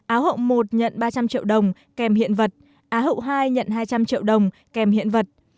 áo hậu một nhận ba trăm linh triệu đồng kèm hiện vật á hậu hai nhận hai trăm linh triệu đồng kèm hiện vật